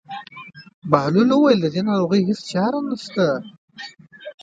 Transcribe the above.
بهلول وویل: د دې ناروغۍ هېڅ چاره نشته.